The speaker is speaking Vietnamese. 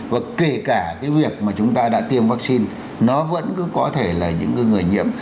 và kể cả cái việc mà chúng ta đã tiêm vaccine nó vẫn cứ có thể là những người nhiễm